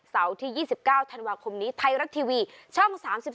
เสาร์ที่๒๙ธันวาคมนี้ไทยรัฐทีวีช่อง๓๒